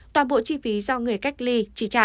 toàn bộ chi phí do người cách ly chi trả